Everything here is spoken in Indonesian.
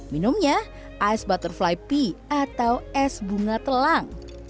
minumnya ice butterfly pea atau es bunga telang